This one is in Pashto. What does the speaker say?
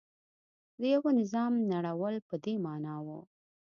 د یوه نظام نړول په دې معنا و.